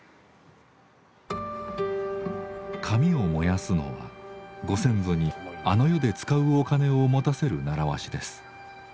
紙を燃やすのはご先祖にあの世で使うお金を持たせる習わしです。